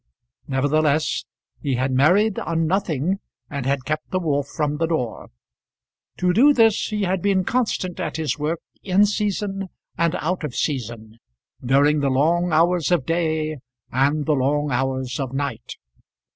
Nevertheless, he had married on nothing, and had kept the wolf from the door. To do this he had been constant at his work in season and out of season, during the long hours of day and the long hours of night.